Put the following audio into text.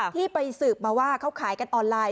ที่ไปสืบมาว่าเขาขายกันออนไลน